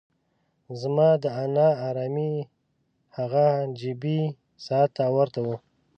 زما دا نا ارامي هغه جیبي ساعت ته ورته وه.